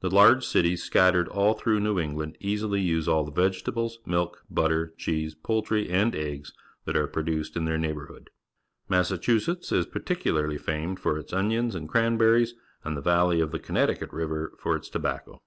The large cities scattered all through New England easily use all the vegetables, milk, butter, cheese, poultrj^ and eggs that are produced in their neighbour hood. Massachusetts is particularly famed for its onions and cranberries, and the valley of the Connecticut River for its tobacco.